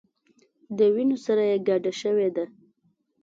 د وینو سره یې ګډه شوې ده.